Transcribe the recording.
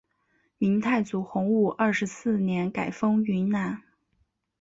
明太祖洪武二十四年改封云南。